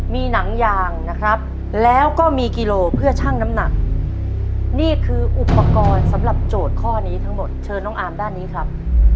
มีหนังยางนะครับแล้วก็มีกิโลเพื่อชั่งน้ำหนักนี่คืออุปกรณ์สำหรับโจทย์ข้อนี้ทั้งหมดเชิญน้องอาร์มด้านนี้ครับ